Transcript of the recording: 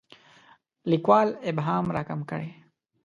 لیکوال ابهام راکم کړي.